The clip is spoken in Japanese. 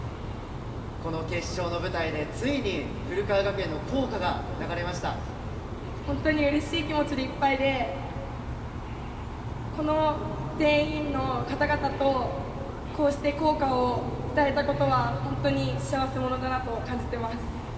この決勝の舞台でついに古川学園の校歌が本当にうれしい気持ちでいっぱいでこの全員の方々とこうして校歌を歌えたことは本当に幸せ者だと感じています。